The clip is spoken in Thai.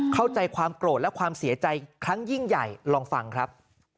เข้าใจความโกรธและความเสียใจครั้งยิ่งใหญ่ลองฟังครับ